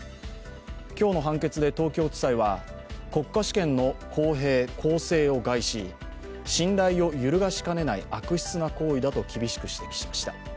今日の判決で東京地裁は国家試験の公平公正を害し信頼を揺るがしかねない悪質な行為だと厳しく指摘しました。